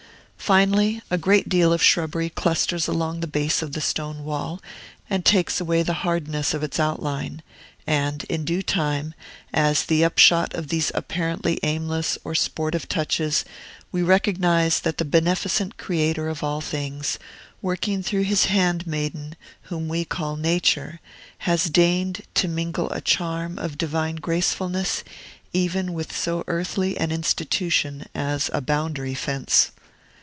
Finally, a great deal of shrubbery clusters along the base of the stone wall, and takes away the hardness of its outline; and in due time, as the upshot of these apparently aimless or sportive touches, we recognize that the beneficent Creator of all things, working through his handmaiden whom we call Nature, has deigned to mingle a charm of divine gracefulness even with so earthly an institution as a boundary fence.